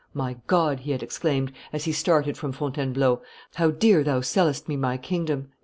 "My God," he had exclaimed, as he started from Fontainebleau, "how dear Thou sellest me my kingdom!"